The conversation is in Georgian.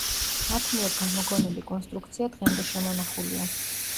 მათ მიერ გამოგონილი კონსტრუქცია დღემდე შემონახულია.